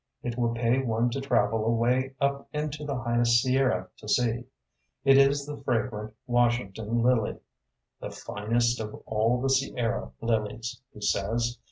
it will pay one to travel away up into the highest Sierra to see. It is the fragrant Washington lily, “the finest of all the Sierra lilies,” he says.